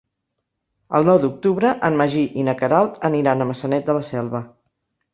El nou d'octubre en Magí i na Queralt aniran a Maçanet de la Selva.